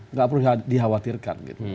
nggak perlu dikhawatirkan gitu